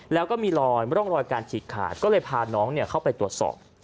แล้วก็มีรอยร่องรอยการฉีกขาดก็เลยพาน้องเข้าไปตรวจสอบ